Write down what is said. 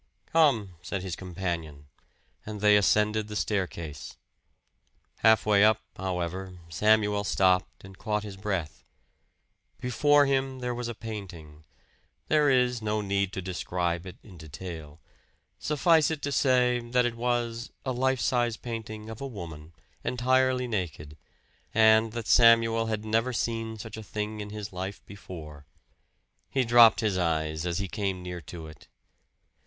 "Come," said his companion, and they ascended the staircase. Halfway up, however, Samuel stopped and caught his breath. Before him there was a painting. There is no need to describe it in detail suffice it to say that it was a life size painting of a woman, entirely naked; and that Samuel had never seen such a thing in his life before. He dropped his eyes as he came near to it.